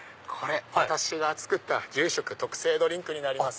私が作った住職特製ドリンクになります。